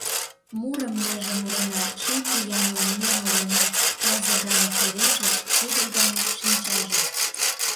Мурым меже мурена, ший пӱянлан ме мурена, тылзе гане чурийже, шӱдыр гане шинчаже.